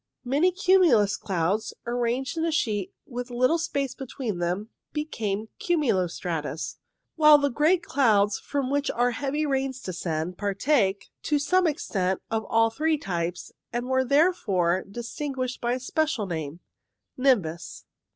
Many cumulus clouds, arranged in a sheet with little space between them, became cumulo stratus, while the great clouds from which our heavy rains descend partake, to some extent, of all three types, and were therefore dis tinguished by a special name — Nimbus.